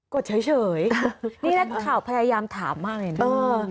ดเฉยนี่นักข่าวพยายามถามมากเลยนะ